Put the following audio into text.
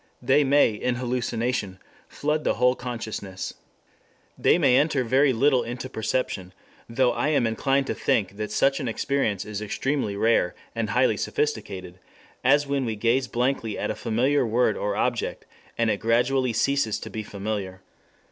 They may, in hallucination, flood the whole consciousness. They may enter very little into perception, though I am inclined to think that such an experience is extremely rare and highly sophisticated, as when we gaze blankly at a familiar word or object, and it gradually ceases to be familiar.